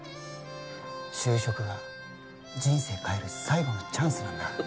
就職が人生変える最後のチャンスなんだ